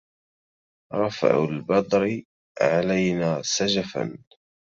رفع البدر علينا سجفا